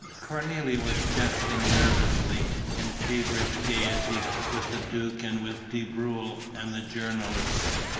Cornélie was jesting nervously, in feverish gaiety, with the duke and with De Breuil and the journalists.